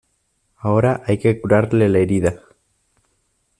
ahora hay que curarle la herida.